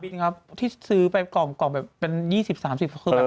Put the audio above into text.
ที่สนามบินครับที่ซื้อไปกล่องแบบเป็น๒๐๓๐คือแบบ